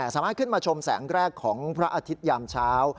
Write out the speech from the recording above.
สามารถขึ้นมาชมแสงแรกของพระอาทิตยามเช้า